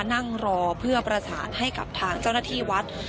นั่งรอเพื่อประสานให้กับทางเจ้าหน้าที่วัด